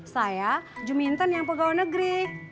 saya juminton yang pegawai negeri